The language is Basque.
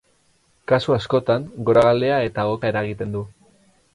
Kasu askotan goragalea eta oka eragiten du.